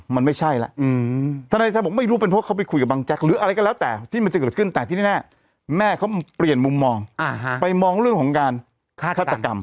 แม่เขาเปลี่ยนมุมมองไปมองเรื่องของการฆาตกรรม